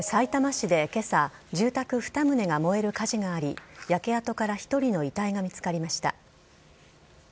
さいたま市でけさ、住宅２棟が燃える火事があり、焼け跡から１人の遺体が見つかりました。